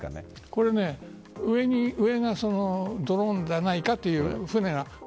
これは、上がドローンではないかという船。